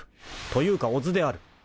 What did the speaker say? ［というか小津である］